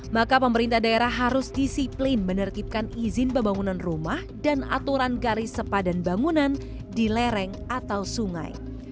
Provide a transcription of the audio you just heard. maka pemerintah daerah harus disiplin menertibkan izin pembangunan rumah dan aturan garis sepadan bangunan di lereng atau sungai